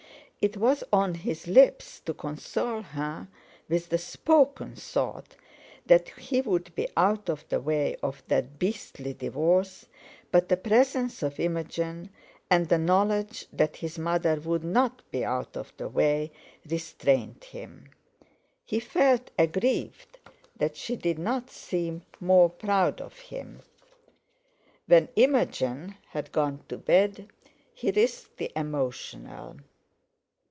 It was on his lips to console her with the spoken thought that he would be out of the way of that beastly divorce, but the presence of Imogen, and the knowledge that his mother would not be out of the way, restrained him. He felt aggrieved that she did not seem more proud of him. When Imogen had gone to bed, he risked the emotional.